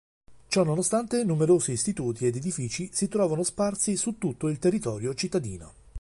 Ciononostante numerosi istituti ed edifici si trovano sparsi su tutto il territorio cittadino.